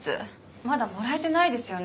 まだもらえてないですよね